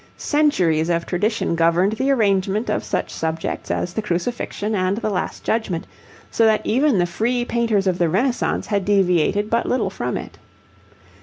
Centuries of tradition governed the arrangement of such subjects as the Crucifixion and the Last Judgment, so that even the free painters of the Renaissance had deviated but little from it.